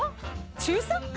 中３？